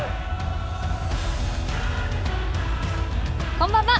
こんばんは。